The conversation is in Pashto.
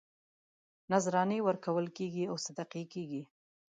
نذرانې ورکول کېږي او صدقې کېږي.